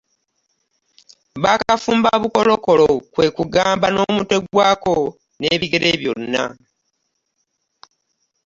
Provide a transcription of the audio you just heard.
Bakafumba bukolokolo kwe kugamba n’omutwe gwakwo n’ebigere byonna.